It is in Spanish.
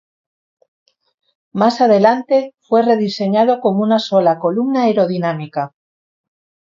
Más adelante fue rediseñado como una sola columna aerodinámica.